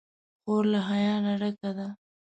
خور له حیا نه ډکه ده.